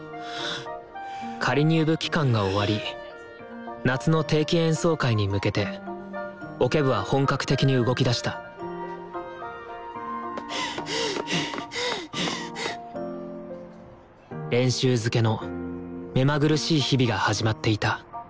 仮入部期間が終わり夏の定期演奏会に向けてオケ部は本格的に動きだした練習づけのめまぐるしい日々が始まっていた。